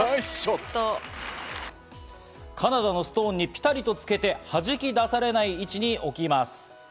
カナダのストーンにぴたりとつけて、弾き出されない位置に置きます。